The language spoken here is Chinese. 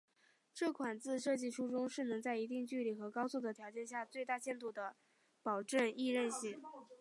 这款字设计初衷是能在一定距离和高速的条件下最大限度地保证易认性。